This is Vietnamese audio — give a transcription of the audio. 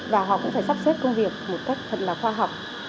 và họ cũng phải sắp xếp công việc một cách thật là khoa học